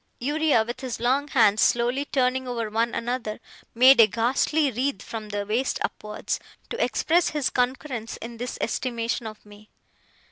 Uriah, with his long hands slowly twining over one another, made a ghastly writhe from the waist upwards, to express his concurrence in this estimation of me.